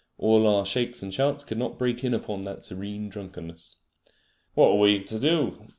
All our shakes and shouts could not break in upon that serene drunkenness. "What are we to do?"